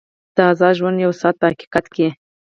د ازاد ژوند یو ساعت په حقیقت کې.